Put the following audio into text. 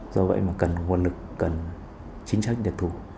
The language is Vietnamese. do vậy mà cần nguồn lực cần chính sách độc thủ